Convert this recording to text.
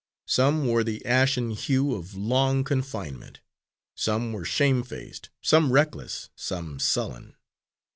Some wore the ashen hue of long confinement. Some were shamefaced, some reckless, some sullen.